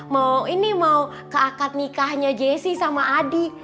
mau ini mau keakat nikahnya jesse sama adi